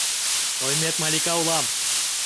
Тоймет Малика улам.